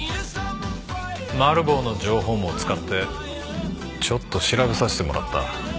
マル暴の情報網を使ってちょっと調べさせてもらった。